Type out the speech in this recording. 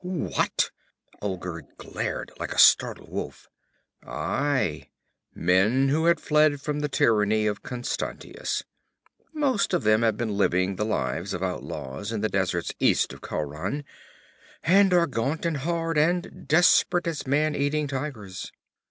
'What?' Olgerd glared like a startled wolf. 'Aye. Men who had fled from the tyranny of Constantius. Most of them have been living the lives of outlaws in the deserts east of Khauran, and are gaunt and hard and desperate as man eating tigers.